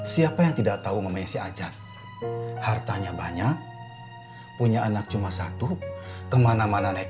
siapa yang tidak tahu namanya si ajat hartanya banyak punya anak cuma satu kemana mana naik